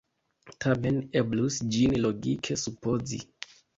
Tamen eblus ĝin logike supozi!